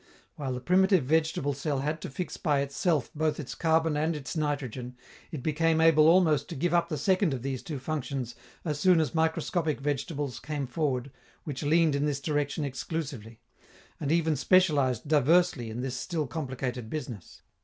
While the primitive vegetable cell had to fix by itself both its carbon and its nitrogen, it became able almost to give up the second of these two functions as soon as microscopic vegetables came forward which leaned in this direction exclusively, and even specialized diversely in this still complicated business.